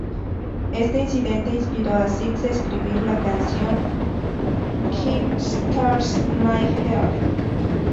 Este incidente inspiró a Sixx a escribir la canción "Kickstart my Heart".